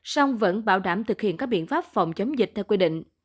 song vẫn bảo đảm thực hiện các biện pháp phòng chống dịch theo quy định